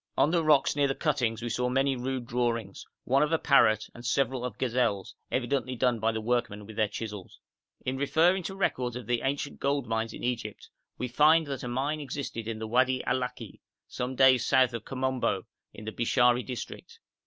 On the rocks near the cuttings we saw many rude drawings, one of a parrot and several of gazelles, evidently done by the workmen with their chisels. In referring to records of the ancient gold mines of Egypt, we find that a mine existed in the Wadi Allaki, some days south of Komombo, in the Bishari district.